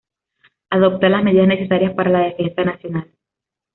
Adopta las medidas necesarias para la defensa nacional.